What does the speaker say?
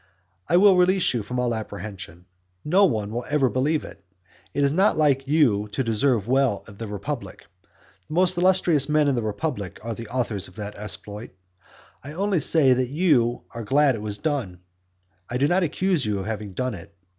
I will release you from all apprehension; no one will ever believe it; it is not like you to deserve well of the republic; the most illustrious men in the republic are the authors of that exploit; I only say that you are glad it was done; I do not accuse you of having done it.